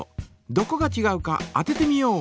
どこがちがうか当ててみよう！